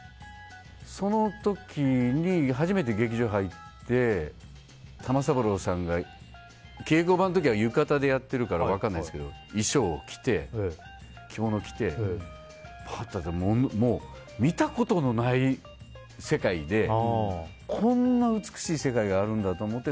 その時に初めて劇場に入って玉三郎さんが稽古場の時は浴衣でやってるから分からないですけど衣装を着て着物を着て見たことのない世界でこんな美しい世界があるんだと思って